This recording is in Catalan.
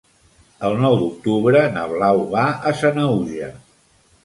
El nou d'octubre na Blau va a Sanaüja.